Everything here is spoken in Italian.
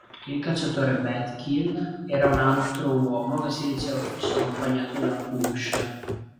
Il cacciatore Betkil era un altro uomo che si diceva fosse accompagnato da Q'ursha.